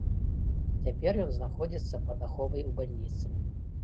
Цяпер ён знаходзіцца пад аховай у бальніцы.